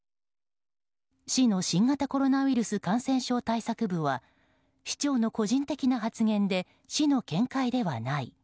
市の新型コロナウイルス対策部は市長の個人的な発言で市の見解ではない。